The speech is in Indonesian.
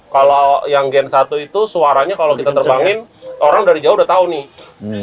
kalau yang game satu itu suaranya kalau kita terbangin orang dari jauh udah tahu nih